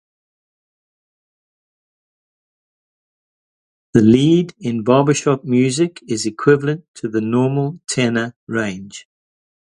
The "lead" in barbershop music is equivalent to the normal tenor range.